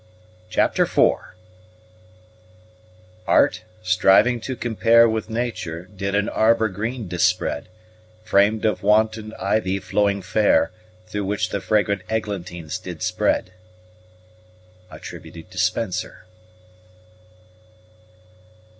CHAPTER IV Art, stryving to compare With nature, did an arber greene dispred, Fram'd of wanton yvie flowing fayre, Through which the fragrant eglantines did spred. SPENSER.